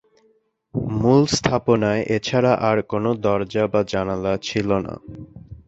মূল স্থাপনায় এছাড়া আর কোন দরজা বা জানালা ছিল না।